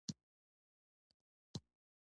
موږ د لغزش په مقابل کې کنټرول کوو